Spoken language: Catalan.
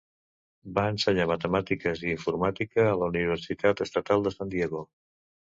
Va ensenyar Matemàtiques i Informàtica a la Universitat Estatal de San Diego.